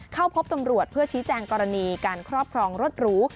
เข้าพบตำรวจเพื่อชี้แจงกรณีการครอบครองรถหรู